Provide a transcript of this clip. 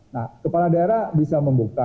nah kepala daerah bisa membuka